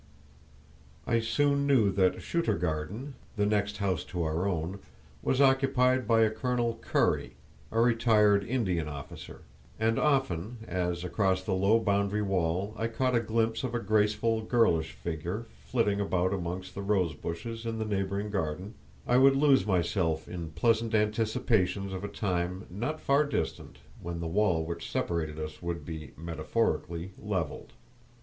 I soon knew that "Shuturgarden," the next house to our own, was occupied by a Colonel Currie, a retired Indian officer; and often, as across the low boundary wall I caught a glimpse of a graceful girlish figure flitting about among the rose bushes in the neighbouring garden, I would lose myself in pleasant anticipations of a time not too far distant when the wall which separated us would be (metaphorically) levelled.